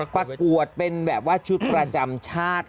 ประกวดเป็นแบบว่าชุดประจำชาติ